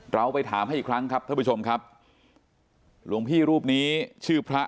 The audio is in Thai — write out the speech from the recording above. เราไปถามให้อีกครั้งครับท่านผู้ชมครับหลวงพี่รูปนี้ชื่อพระ